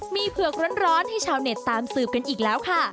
มีเผือกร้อนให้ชาวเน็ตตามสืบกันอีกแล้วค่ะ